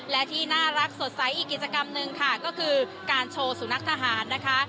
และที่น่ารักสดใสอีกกิจกรรมหนึ่งค่ะก็คือการโชว์สุนัขทหารนะคะ